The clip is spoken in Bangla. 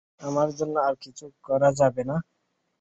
আমার জন্য আর কিছু করা যাবে না।